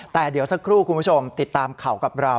แต่เดี๋ยวสักครู่คุณผู้ชมติดตามข่าวกับเรา